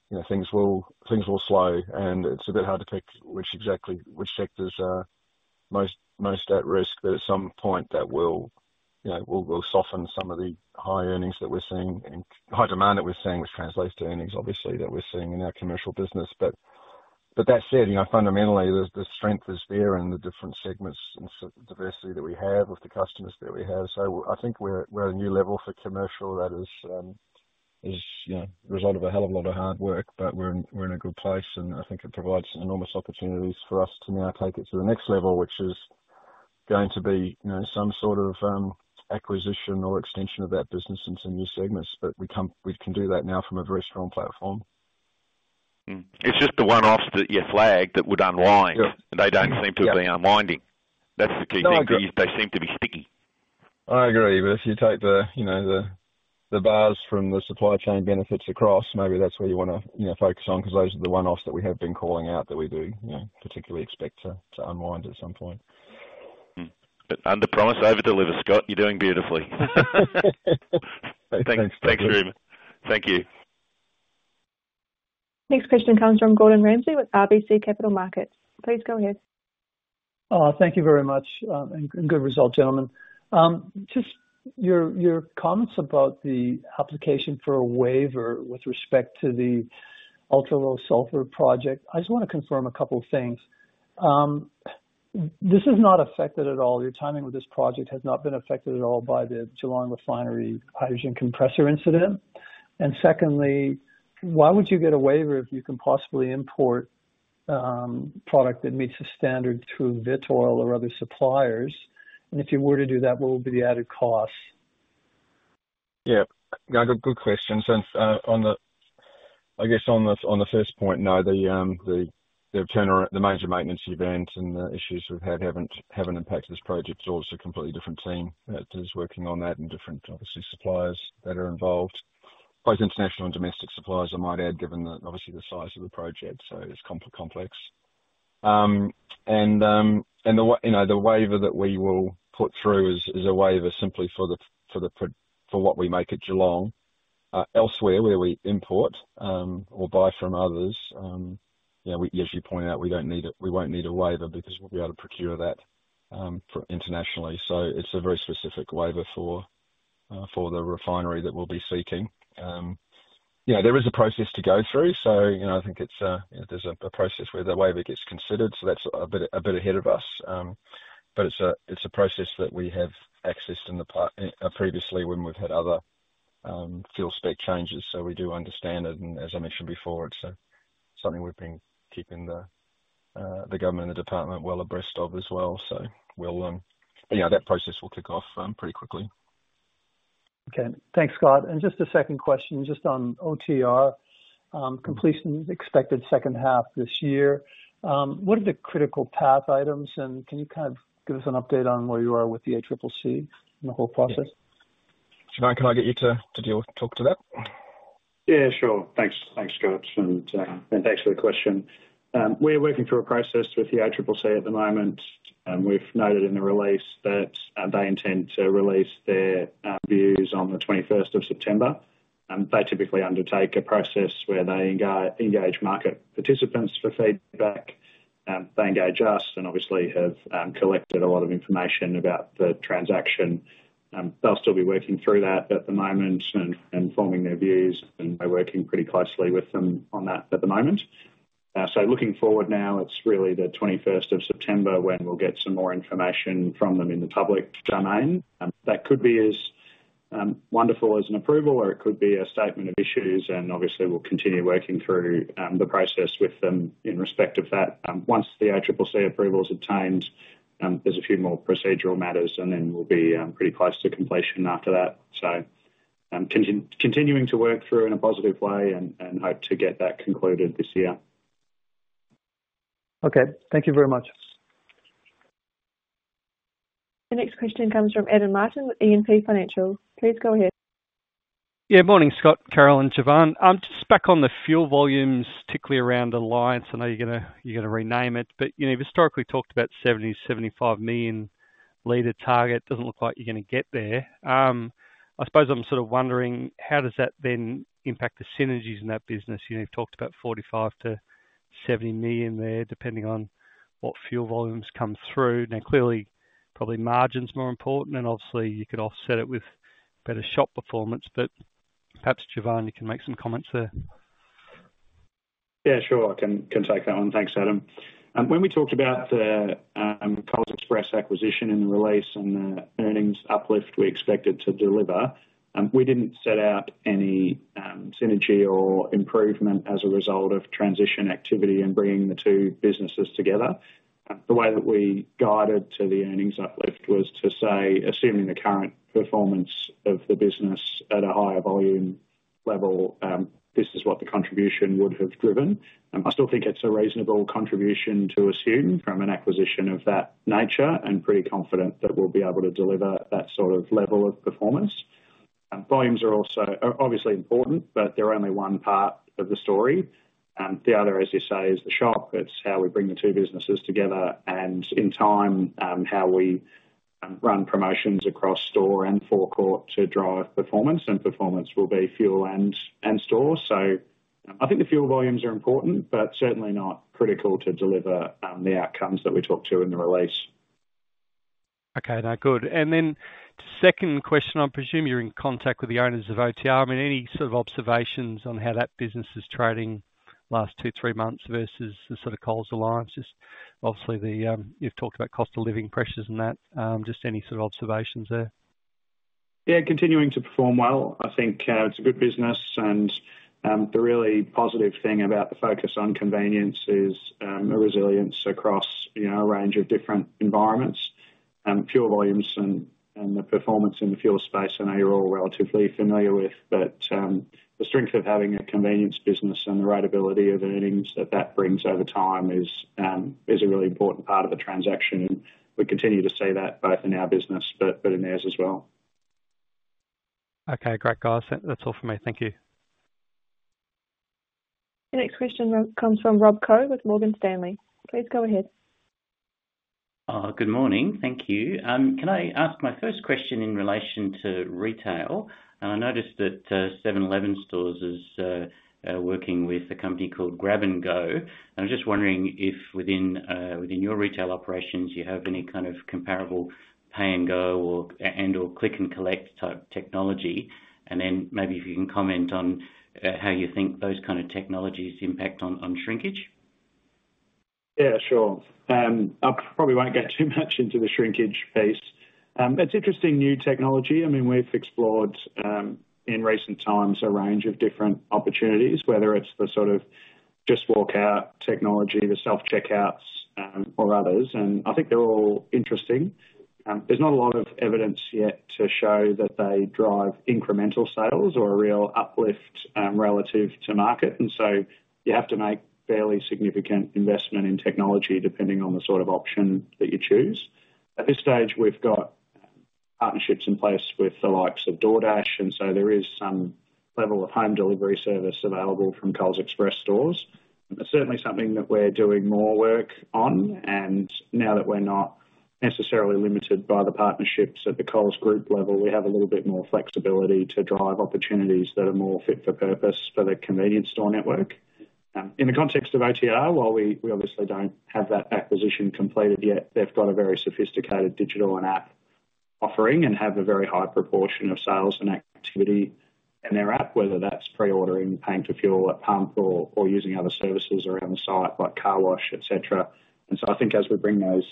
you know, things will, things will slow, and it's a bit hard to pick which exactly, which sectors are most, most at risk. At some point that will, you know, will, will soften some of the high earnings that we're seeing and high demand that we're seeing, which translates to earnings, obviously, that we're seeing in our commercial business. That said, you know, fundamentally, the, the strength is there in the different segments and sort of diversity that we have with the customers that we have. I think we're, we're at a new level for commercial that is, is, you know, the result of a hell of a lot of hard work, but we're in, we're in a good place, and I think it provides enormous opportunities for us to now take it to the next level, which is going to be, you know, some sort of acquisition or extension of that business in some new segments. We can do that now from a very strong platform. Mm. It's just the one-offs that you flagged that would unwind. Yeah. They don't seem to be unwinding. That's the key thing. No, I agree. They seem to be sticky. If you take the, you know, the, the bars from the supply chain benefits across, maybe that's where you wanna, you know, focus on, because those are the one-offs that we have been calling out that we do, you know, particularly expect to, to unwind at some point. Mm. Under promise, over deliver, Scott. You're doing beautifully. Thanks. Thanks very much. Thank you. Next question comes from Gordon Ramsay with RBC Capital Markets. Please go ahead. Thank you very much, and good result, gentlemen. Just your comments about the application for a waiver with respect to the ultra-low sulphur project. I just want to confirm a couple of things. Your timing with this project has not been affected at all by the Geelong Refinery hydrogen compressor incident? Secondly, why would you get a waiver if you can possibly import product that meets the standard through Vitol or other suppliers? If you were to do that, what would be the added cost? Yeah, good, good question. Since, on the, I guess on the, on the first point, no, the, the turnaround, the major maintenance events and the issues we've had, haven't, haven't impacted this project. It's obviously a completely different team that is working on that and different, obviously, suppliers that are involved, both international and domestic suppliers, I might add, given the, obviously the size of the project, so it's complex. The, you know, the waiver that we will put through is, is a waiver simply for the, for what we make at Geelong. Elsewhere, where we import, or buy from others, you know, we as you pointed out, we don't need, we won't need a waiver because we'll be able to procure that for internationally. It's a very specific waiver for the refinery that we'll be seeking. You know, there is a process to go through, so, you know, I think it's, you know, there's a process where the waiver gets considered, so that's a bit, a bit ahead of us. It's a process that we have accessed in previously when we've had other fuel spec changes, so we do understand it. As I mentioned before, it's something we've been keeping the government and the department well abreast of as well. We'll, but yeah, that process will kick off pretty quickly. Okay. Thanks, Scott. Just a 2nd question, just on OTR, completion expected 2nd half this year. What are the critical path items, and can you kind of give us an update on where you are with the ACCC and the whole process? Jevan, can I get you to, to deal with, talk to that? Yeah, sure. Thanks, thanks, Scott, and thanks for the question. We're working through a process with the ACCC at the moment, and we've noted in the release that they intend to release their views on the 21st of September. They typically undertake a process where they engage market participants for feedback. They engage us and obviously have collected a lot of information about the transaction. They'll still be working through that at the moment and forming their views, and we're working pretty closely with them on that at the moment. Looking forward now, it's really the 21st of September, when we'll get some more information from them in the public domain. That could be as wonderful as an approval, or it could be a statement of issues, and obviously, we'll continue working through the process with them in respect of that. Once the ACCC approval is obtained, there's a few more procedural matters, and then we'll be pretty close to completion after that. Continuing to work through in a positive way and, and hope to get that concluded this year. Okay. Thank you very much. The next question comes from Adam Martin with E&P Financial. Please go ahead. Yeah, morning, Scott, Carol, and Jevan. Just back on the fuel volumes, particularly around alliance. I know you're gonna, you're gonna rename it, but, you know, you've historically talked about 70 million-75 million liter target. Doesn't look like you're gonna get there. I suppose I'm sort of wondering, how does that then impact the synergies in that business? You know, you've talked about 45 million-70 million there, depending on what fuel volumes come through. Now, clearly, probably margin's more important, and obviously you could offset it with better shop performance. Perhaps, Jevan, you can make some comments there. Yeah, sure. I can, can take that one. Thanks, Adam. When we talked about the Coles Express acquisition in the release and the earnings uplift we expected to deliver, we didn't set out any synergy or improvement as a result of transition activity and bringing the two businesses together. The way that we guided to the earnings uplift was to say, assuming the current performance of the business at a higher volume level, this is what the contribution would have driven. I still think it's a reasonable contribution to assume from an acquisition of that nature, and pretty confident that we'll be able to deliver that sort of level of performance. Volumes are also, are obviously important, but they're only one part of the story. The other, as you say, is the shop. It's how we bring the two businesses together and in time, how we run promotions across store and forecourt to drive performance, and performance will be fuel and, and store. I think the fuel volumes are important, but certainly not critical to deliver the outcomes that we talked to in the release. Okay, no, good. Second question: I presume you're in contact with the owners of OTR. I mean, any sort of observations on how that business is trading last two, three months versus the sort of Coles alliance? Just obviously the, you've talked about cost of living pressures and that, just any sort of observations there. Yeah, continuing to perform well. I think it's a good business, and the really positive thing about the focus on convenience is the resilience across, you know, a range of different environments. Fuel volumes and, and the performance in the fuel space, I know you're all relatively familiar with, but the strength of having a convenience business and the ratability of earnings that that brings over time is a really important part of the transaction, and we continue to see that both in our business but, but in theirs as well. Okay, great, guys. That's all for me. Thank you. The next question comes from Rob Koh with Morgan Stanley. Please go ahead. Good morning. Thank you. Can I ask my first question in relation to retail? I noticed that 7-Eleven stores is working with a company called Grabango. I'm just wondering if within your retail operations, you have any kind of comparable pay and go or, and/or click and collect type technology? Then maybe if you can comment on how you think those kind of technologies impact on shrinkage. Yeah, sure. I probably won't get too much into the shrinkage piece. It's interesting new technology. I mean, we've explored, in recent times, a range of different opportunities, whether it's the sort of just walk out technology, the self-checkouts, or others, and I think they're all interesting. There's not a lot of evidence yet to show that they drive incremental sales or a real uplift, relative to market. So you have to make fairly significant investment in technology, depending on the sort of option that you choose. At this stage, we've got partnerships in place with the likes of DoorDash, and so there is some level of home delivery service available from Coles Express stores. Certainly something that we're doing more work on, and now that we're not necessarily limited by the partnerships at the Coles Group level, we have a little bit more flexibility to drive opportunities that are more fit for purpose for the convenience store network. In the context of OTR, while we, we obviously don't have that acquisition completed yet, they've got a very sophisticated digital and app offering and have a very high proportion of sales and activity in their app, whether that's pre-ordering, paying for fuel at pump or, or using other services around the site, like car wash, et cetera. So I think as we bring those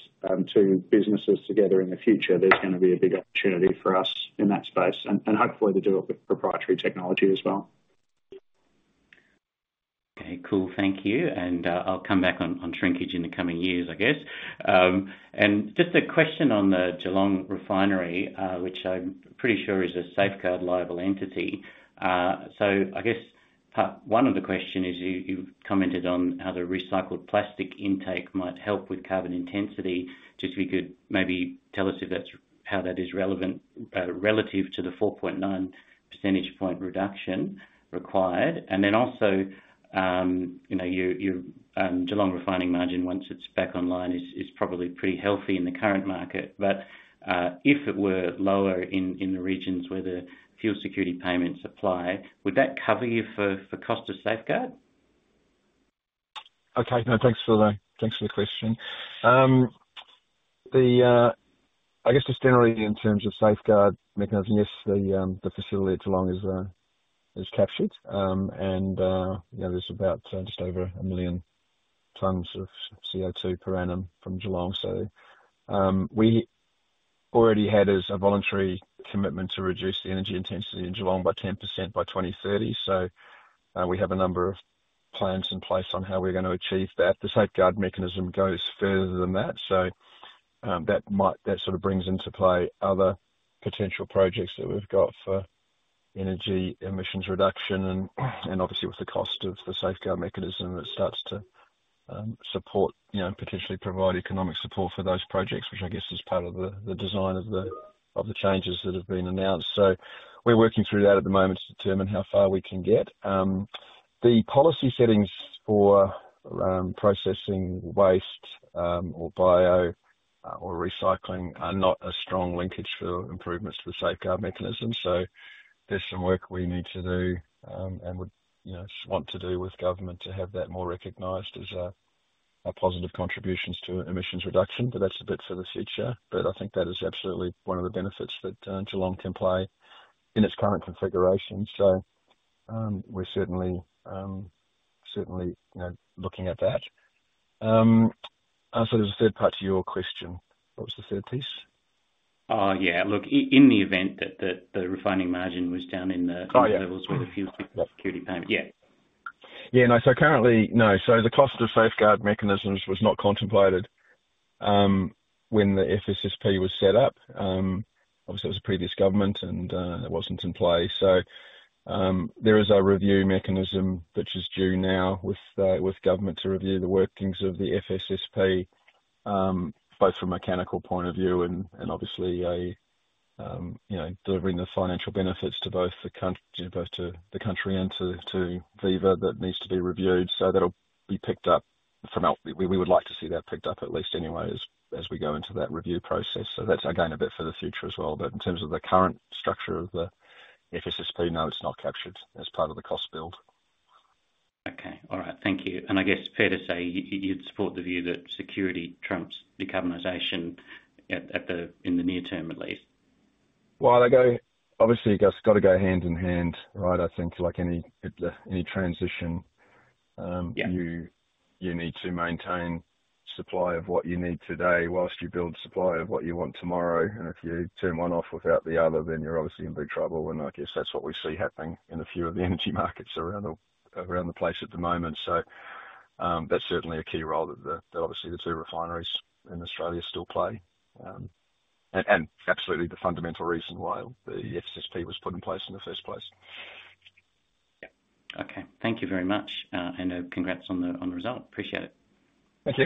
two businesses together in the future, there's gonna be a big opportunity for us in that space and, and hopefully to do it with proprietary technology as well. Okay, cool. Thank you. I'll come back on, on shrinkage in the coming years, I guess. Just a question on the Geelong Refinery, which I'm pretty sure is a Safeguard liable entity. I guess one of the question is, you, you've commented on how the recycled plastic intake might help with carbon intensity. Just if you could maybe tell us if that's, how that is relevant, relative to the 4.9 percentage point reduction required. Then also, you know, your, your Geelong refining margin, once it's back online, is, is probably pretty healthy in the current market, but if it were lower in, in the regions where the fuel security payments apply, would that cover you for, for cost of Safeguard? Okay, no, thanks for the, thanks for the question. I guess just generally in terms of Safeguard Mechanism, yes, the facility at Geelong is captured. you know, there's about just over 1 million tons of CO2 per annum from Geelong. we already had as a voluntary commitment to reduce the energy intensity in Geelong by 10% by 2030. we have a number of plans in place on how we're gonna achieve that. The Safeguard Mechanism goes further than that, so, That sort of brings into play other potential projects that we've got for energy emissions reduction and, and obviously with the cost of the Safeguard Mechanism, that starts to support, you know, potentially provide economic support for those projects, which I guess is part of the, the design of the, of the changes that have been announced. We're working through that at the moment to determine how far we can get. The policy settings for processing waste, or bio, or recycling are not a strong linkage for improvements to the Safeguard Mechanism. There's some work we need to do, and would, you know, want to do with government to have that more recognized as a positive contributions to emissions reduction, but that's a bit for the future. I think that is absolutely one of the benefits that Geelong can play in its current configuration. We're certainly, certainly, you know, looking at that. There's a third part to your question. What was the third piece? yeah, look, in the event that the, the refining margin was down in... Oh, yeah. -levels with the fuel security payment. Yeah. Yeah, no, so currently. No, so the cost of the Safeguard mechanisms was not contemplated when the FSSP was set up. Obviously, it was a previous government, and it wasn't in play. There is a review mechanism which is due now with government to review the workings of the FSSP, both from a mechanical point of view and obviously, you know, delivering the financial benefits to both the country and to Viva, that needs to be reviewed. That'll be picked up for now. We, we would like to see that picked up at least anyway, as we go into that review process. That's, again, a bit for the future as well. In terms of the current structure of the FSSP, no, it's not captured as part of the cost build. Okay. All right. Thank you. I guess fair to say you'd support the view that security trumps decarbonization at, at the, in the near term, at least? Well, they go, obviously, it just gotta go hand in hand, right? I think like any, any transition. Yeah You, you need to maintain supply of what you need today whilst you build supply of what you want tomorrow. If you turn one off without the other, then you're obviously in big trouble, and I guess that's what we see happening in a few of the energy markets around the, around the place at the moment. That's certainly a key role that the, that obviously the two refineries in Australia still play. Absolutely the fundamental reason why the FSSP was put in place in the first place. Yeah. Okay. Thank you very much, and congrats on the, on the result. Appreciate it. Thank you.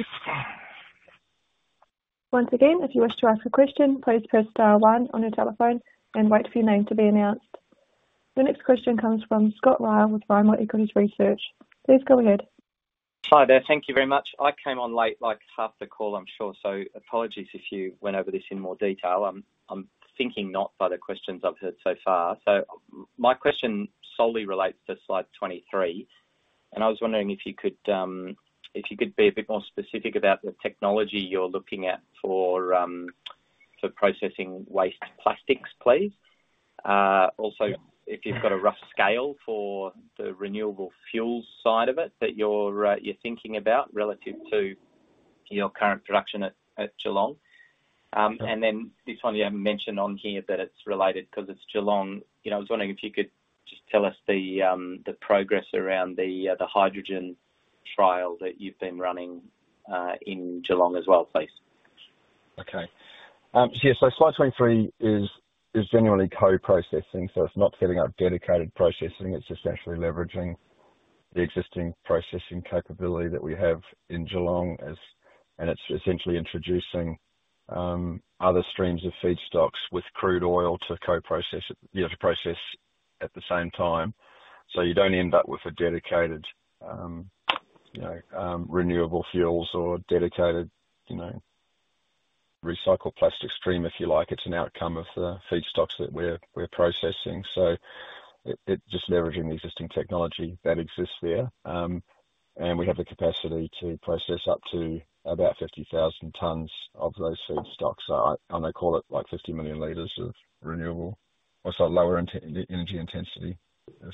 Once again, if you wish to ask a question, please press star one on your telephone and wait for your name to be announced. The next question comes from Scott Ryall with Beaumont Equities Research. Please go ahead. Hi there. Thank you very much. I came on late, like half the call, I'm sure. Apologies if you went over this in more detail. I'm thinking not by the questions I've heard so far. My question solely relates to Slide 23, and I was wondering if you could be a bit more specific about the technology you're looking at for processing waste plastics, please. Also, if you've got a rough scale for the renewable fuels side of it that you're thinking about relative to your current production at Geelong. Then this one you haven't mentioned on here, but it's related 'cause it's Geelong. You know, I was wondering if you could just tell us the progress around the hydrogen trial that you've been running in Geelong as well, please. Okay. Slide 23 is generally co-processing, so it's not setting up dedicated processing. It's just actually leveraging the existing processing capability that we have in Geelong. It's essentially introducing other streams of feedstocks with crude oil to co-process it, yeah, to process at the same time, so you don't end up with a dedicated, you know, renewable fuels or dedicated, you know, recycled plastic stream, if you like. It's an outcome of the feedstocks that we're processing. It just leveraging the existing technology that exists there. We have the capacity to process up to about 50,000 tons of those feedstocks. They call it, like, 50 million liters of renewable or sorry, lower energy intensity,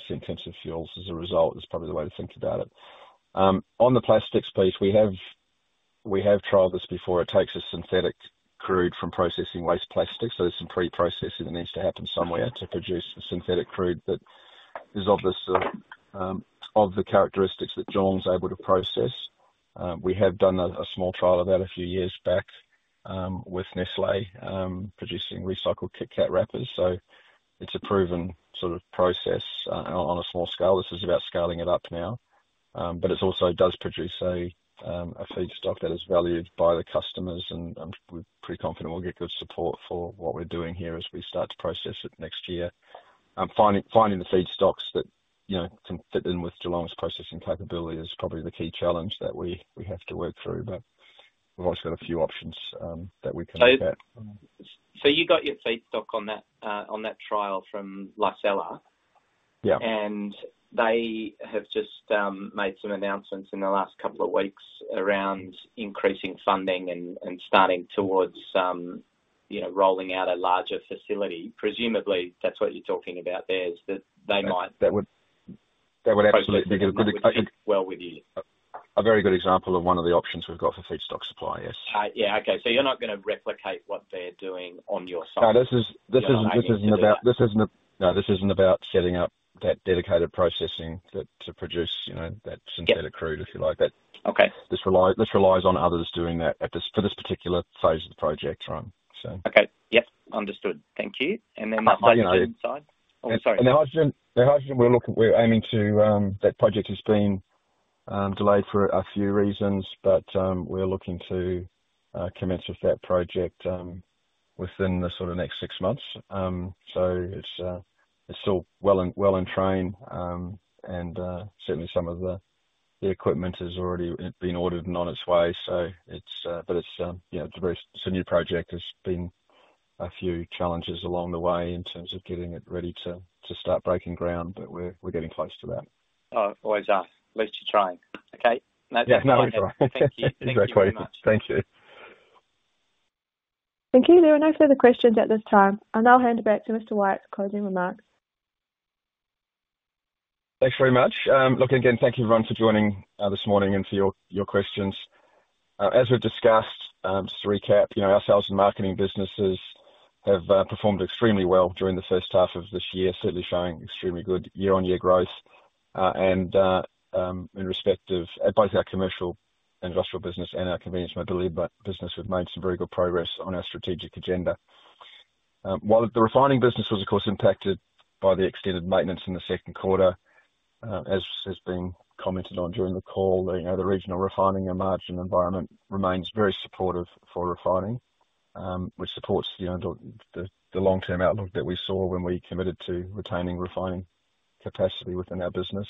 intensive fuels as a result, is probably the way to think about it. On the plastics piece, we have, we have tried this before. It takes a synthetic crude from processing waste plastic, so there's some pre-processing that needs to happen somewhere to produce the synthetic crude that is of the characteristics that Geelong is able to process. We have done a small trial of that a few years back with Nestlé, producing recycled KitKat wrappers. It's a proven sort of process on a small scale. This is about scaling it up now. It also does produce a feedstock that is valued by the customers, and we're pretty confident we'll get good support for what we're doing here as we start to process it next year. Finding, finding the feedstocks that, you know, can fit in with Geelong's processing capability is probably the key challenge that we, we have to work through, but we've also got a few options, that we can look at. You got your feedstock on that, on that trial from Licella? Yeah. They have just made some announcements in the last couple of weeks around increasing funding and starting towards, you know, rolling out a larger facility. Presumably, that's what you're talking about there, is that they might- That would, that would absolutely be a good, a good- Well with you. A very good example of one of the options we've got for feedstock supply, yes. Yeah. Okay. You're not gonna replicate what they're doing on your side? No, this is, this is, this isn't about. This isn't. No, this isn't about setting up that dedicated processing to, to produce, you know, that synthetic crude. Yeah crude, if you like. Okay. This relies on others doing that at this, for this particular phase of the project run, so. Okay. Yep. Understood. Thank you. The hydrogen side? Oh, sorry. The hydrogen, the hydrogen, we're looking, we're aiming to. That project has been delayed for a few reasons, we're looking to commence with that project within the sort of next 6 months. It's, it's still well in, well in train. Certainly some of the, the equipment has already been ordered and on its way. It's, but it's, you know, it's a very. It's a new project. There's been a few challenges along the way in terms of getting it ready to, to start breaking ground, but we're, we're getting close to that. Oh, always are. At least you're trying. Okay. Yeah. No, we're trying. Thank you. Thank you very much. Thank you. Thank you. There are no further questions at this time. I'll now hand it back to Mr. Wyatt for closing remarks. Thanks very much. Look, again, thank you, everyone, for joining this morning and for your, your questions. As we've discussed, just to recap, you know, our sales and marketing businesses have performed extremely well during the first half of this year, certainly showing extremely good year-on-year growth. In respect of both our Commercial and Industrial business and our Convenience and Mobility business, we've made some very good progress on our strategic agenda. While the refining business was, of course, impacted by the extended maintenance in the second quarter, as being commented on during the call, the, you know, the regional refining and margin environment remains very supportive for refining, which supports, you know, the long-term outlook that we saw when we committed to retaining refining capacity within our business.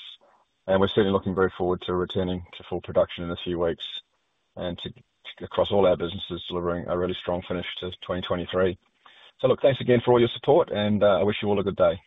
We're certainly looking very forward to returning to full production in a few weeks and to, across all our businesses, delivering a really strong finish to 2023. Look, thanks again for all your support, and I wish you all a good day.